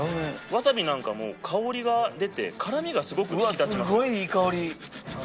わさびなんかも香りが出て辛みがすごく引き立ちます。